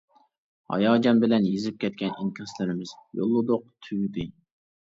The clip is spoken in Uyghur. ھاياجان بىلەن يېزىپ كەتكەن ئىنكاسلىرىمىز، يوللىدۇق تۈگدى.